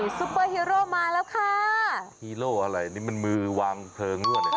ซุปเปอร์ฮีโร่มาแล้วค่ะฮีโร่อะไรนี่มันมือวางเพลิงรวดเนี่ย